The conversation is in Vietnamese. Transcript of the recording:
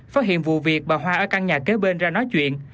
phát hiện vụ việc bà hoa ở căn nhà kế bên ra nói chuyện